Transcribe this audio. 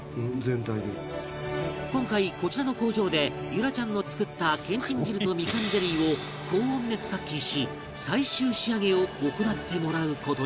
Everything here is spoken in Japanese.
今回こちらの工場で結桜ちゃんの作ったけんちん汁とみかんゼリーを高温熱殺菌し最終仕上げを行ってもらう事に